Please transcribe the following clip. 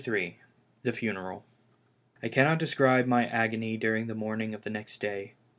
THE FUNERAL. I CANNOT describe my agony during the morning of the next day.